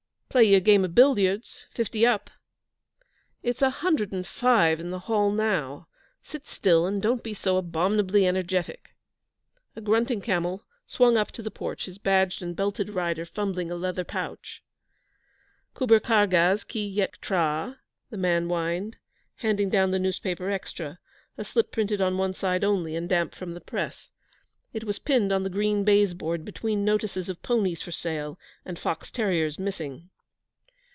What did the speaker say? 'Play you game o' billiards fifty up.' 'It's a hundred and five in the hall now. Sit still and don't be so abominably energetic.' A grunting camel swung up to the porch, his badged and belted rider fumbling a leather pouch. 'Kubber kargaz ki yektraaa,' the man whined, handing down the newspaper extra a slip printed on one side only, and damp from the press. It was pinned on the green baize board, between notices of ponies for sale and fox terriers missing.